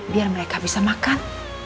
biar mereka bisa makan